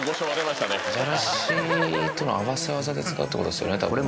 じゃらしっていうのは合わせ技で使うってことですよねたぶんね。